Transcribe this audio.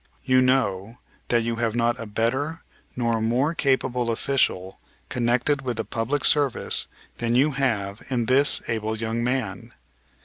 You know that you have not a better nor a more capable official connected with the public service than you have in this able young man.